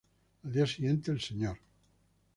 Al día siguiente el Sr.